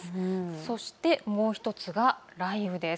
そして、もう１つが雷雨です。